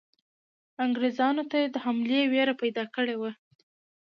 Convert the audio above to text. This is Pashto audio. انګریزانو ته یې د حملې وېره پیدا کړې وه.